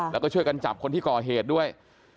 แล้วก็ช่วยกันจับคนที่ก่อเหตุด้วย